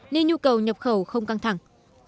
nên nhu cầu nhập khẩu không căng thẳng